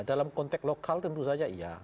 dalam konteks lokal tentu saja iya